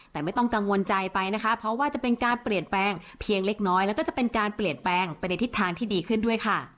แต่ไม่ต้องกังวลใจไปนะคะเพราะว่าจะเป็นการเปลี่ยนแปลงเพียงเล็กน้อยแล้วก็จะเป็นการเปลี่ยนแปลงไปในทิศทางที่ดีขึ้นด้วยค่ะ